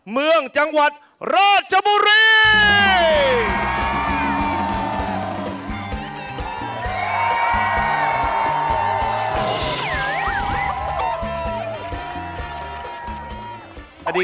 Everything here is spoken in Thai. เมืองจังหวัดราชบุรี